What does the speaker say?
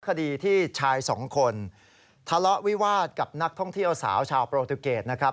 คดีที่ชายสองคนทะเลาะวิวาสกับนักท่องเที่ยวสาวชาวโปรตุเกตนะครับ